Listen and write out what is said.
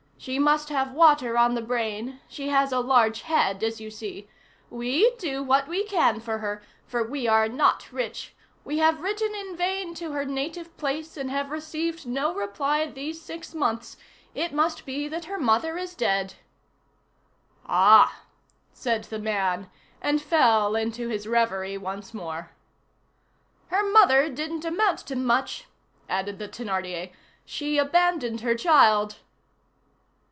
She must have water on the brain; she has a large head, as you see. We do what we can for her, for we are not rich; we have written in vain to her native place, and have received no reply these six months. It must be that her mother is dead." "Ah!" said the man, and fell into his reverie once more. "Her mother didn't amount to much," added the Thénardier; "she abandoned her child."